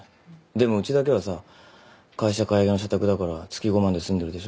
でもうちだけはさ会社買い上げの社宅だから月５万で住んでるでしょ。